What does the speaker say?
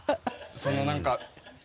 その何か。